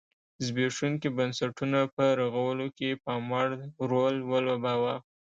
زبېښونکي بنسټونه په رغولو کې پاموړ رول ولوباوه.